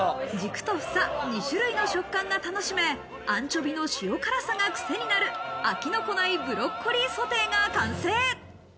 軸と房、２種類の食感が楽しめ、アンチョビの塩辛さがクセになる、飽きのこないブロッコリーのソテーが完成。